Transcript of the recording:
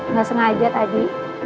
enggak sengaja tadi